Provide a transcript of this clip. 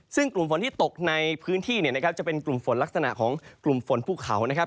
ซึ่งกลุ่มฝนที่ตกในพื้นที่เนี่ยนะครับจะเป็นกลุ่มฝนลักษณะของกลุ่มฝนภูเขานะครับ